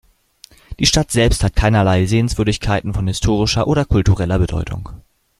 Die Stadt selbst hat keinerlei Sehenswürdigkeiten von historischer oder kultureller Bedeutung.